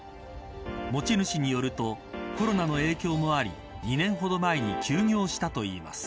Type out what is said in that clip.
持ち主によるとコロナの影響もあり２年ほど前に休業したといいます。